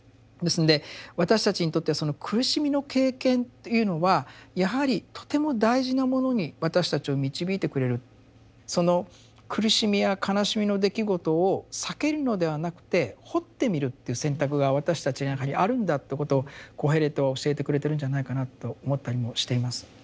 ですんで私たちにとってはその苦しみの経験というのはやはりとても大事なものに私たちを導いてくれるその苦しみや悲しみの出来事を避けるのではなくて掘ってみるという選択が私たちの中にはあるんだってことをコヘレトは教えてくれてるんじゃないかなと思ったりもしています。